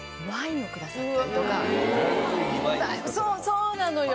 そうなのよ